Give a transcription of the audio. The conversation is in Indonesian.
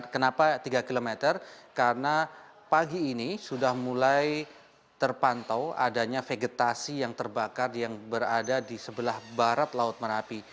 kenapa tiga km karena pagi ini sudah mulai terpantau adanya vegetasi yang terbakar yang berada di sebelah barat laut merapi